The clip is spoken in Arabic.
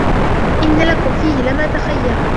إن لكم فيه لما تخيرون